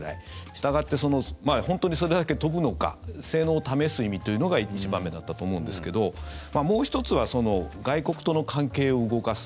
したがって本当にそれだけ飛ぶのか性能を試す意味というのが１番目だったと思うんですけどもう１つは外国との関係を動かす。